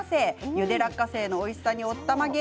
ゆで落花生のおいしさにおったまげ！